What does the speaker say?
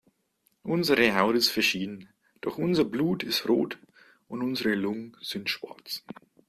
Unsere Haut ist verschieden, doch unser Blut ist rot und unsere Lungen sind schwarz.